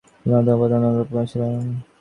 তিনি অন্যতম প্রধান রূপকার ছিলেন।